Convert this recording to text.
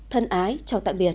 thân ái chào tạm biệt